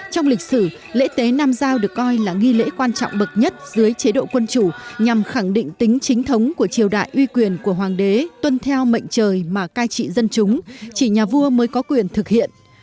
trong lịch sử lễ tế nam giao được coi là nghi lễ quan trọng bậc nhất dưới chế độ quân chủ nhằm khẳng định tính chính thống của triều đại uy quyền của hoàng đế tuân theo mệnh trời mà cai trị dân chúng chỉ nhà vua mới có quyền thực hiện